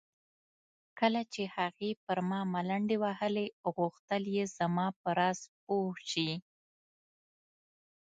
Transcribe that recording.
کله چې هغې پر ما ملنډې وهلې غوښتل یې زما په راز پوه شي.